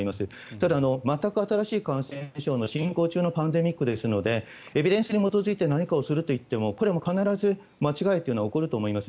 ただ、全く新しい感染症の進行中のパンデミックですのでエビデンスに基づいて何かをするといってもこれは必ず間違いというのは起こると思います。